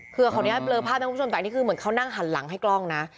คือขออนุญาตเบลอภาพนะคุณผู้ชมแต่อันนี้คือเหมือนเขานั่งหันหลังให้กล้องนะ